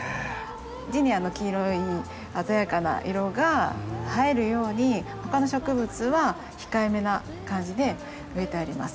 ジニアの黄色い鮮やかな色が映えるように他の植物は控えめな感じで植えてあります。